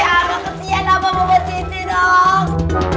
aku kesian aku mau posisi dong